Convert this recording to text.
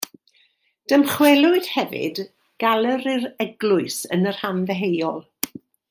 Dymchwelwyd hefyd galeri'r eglwys yn y rhan ddeheuol.